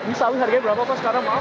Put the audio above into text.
ini sawi harganya berapa pak sekarang maaf